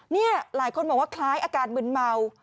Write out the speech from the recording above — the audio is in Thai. นี่หลายคนบอกว่าคล้ายอาการมึนเมา